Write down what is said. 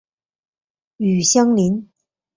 与相邻。